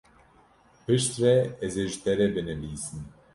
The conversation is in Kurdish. Piştre ez ê ji te re binivîsim.